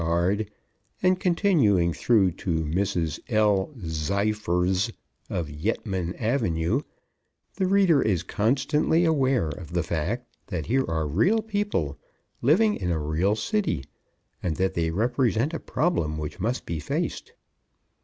Aagaard_ and continuing through to Mrs. L. Zyfers of Yettman Ave., the reader is constantly aware of the fact that here are real people, living in a real city, and that they represent a problem which must be faced.